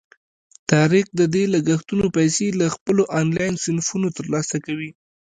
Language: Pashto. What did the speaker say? طارق د دې لګښتونو پیسې له خپلو آنلاین صنفونو ترلاسه کوي.